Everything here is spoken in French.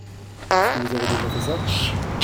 Est-ce que vous avez déjà fait ça ?